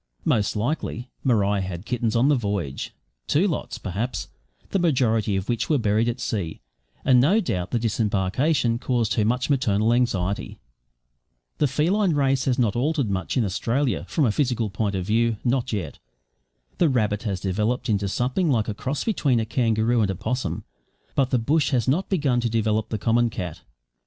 Most likely Maria had kittens on the voyage two lots, perhaps the majority of which were buried at sea; and no doubt the disembarkation caused her much maternal anxiety. The feline race has not altered much in Australia, from a physical point of view not yet. The rabbit has developed into something like a cross between a kangaroo and a possum, but the bush has not begun to develop the common cat.